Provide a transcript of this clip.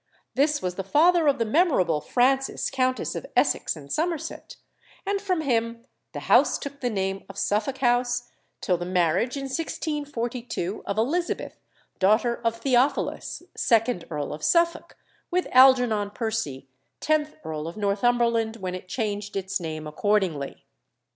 This was the father of the memorable Frances, Countess of Essex and Somerset; and from him the house took the name of Suffolk House, till the marriage in 1642 of Elizabeth, daughter of Theophilus, second Earl of Suffolk, with Algernon Percy, tenth Earl of Northumberland, when it changed its name accordingly.